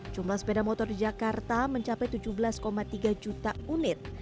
jumlah sepeda motor di jakarta mencapai tujuh belas tiga juta unit